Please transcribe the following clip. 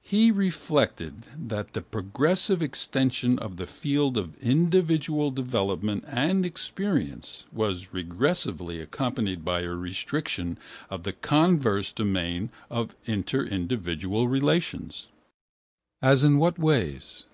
He reflected that the progressive extension of the field of individual development and experience was regressively accompanied by a restriction of the converse domain of interindividual relations. As in what ways?